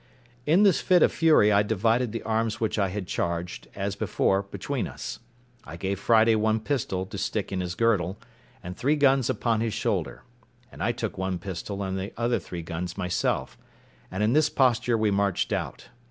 In this fit of fury I divided the arms which I had charged, as before, between us; I gave Friday one pistol to stick in his girdle, and three guns upon his shoulder, and I took one pistol and the other three guns myself; and in this posture we marched out.